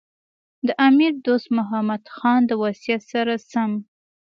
د امیر دوست محمد خان د وصیت سره سم.